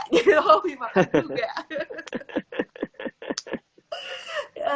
jadi hobi makan juga